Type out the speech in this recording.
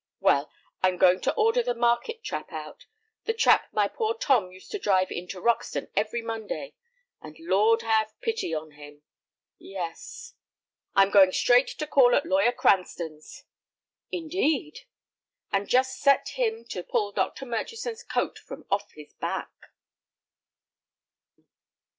"Well, I'm going to order the market trap out, the trap my poor Tom used to drive in to Roxton every Monday, the Lord have pity on him!—" "Yes." "I'm going straight to call at Lawyer Cranston's." "Indeed!" "And just set him to pull Dr. Murchison's coat from off his back."